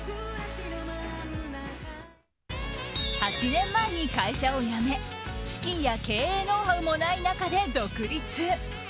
８年前に会社を辞め資金や経営ノウハウもない中で独立！